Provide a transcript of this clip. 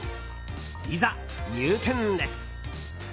いざ、入店です。